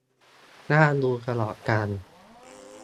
น่าดูตลอดกาล